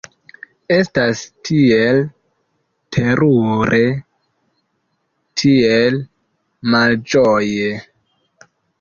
Estas tiel terure, tiel malĝoje!